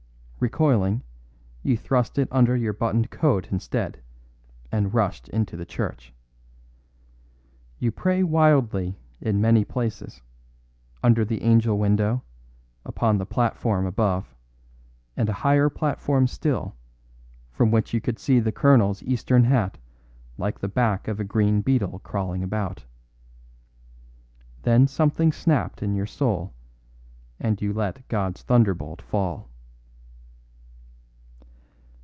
Recoiling, you thrust it under your buttoned coat instead, and rushed into the church. You pray wildly in many places, under the angel window, upon the platform above, and a higher platform still, from which you could see the colonel's Eastern hat like the back of a green beetle crawling about. Then something snapped in your soul, and you let God's thunderbolt fall."